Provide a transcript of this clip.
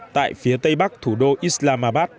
tại phía tây bắc thủ đô islamabad